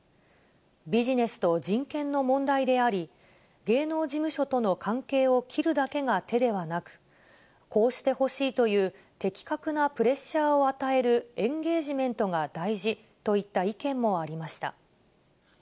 ビジネスと人権の問題であり、芸能事務所との関係を切るだけが手ではなく、こうしてほしいという的確なプレッシャーを与えるエンゲージメントが大事といった意見もありました。